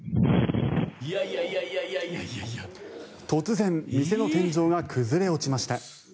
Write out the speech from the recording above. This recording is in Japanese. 突然、店の天井が崩れ落ちました。